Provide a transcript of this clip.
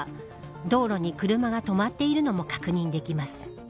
道路に車が止まっているのも確認できます。